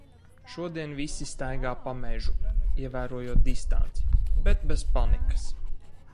Šodien visi staigā pa mežu. Ievērojot distanci. Bet bez panikas.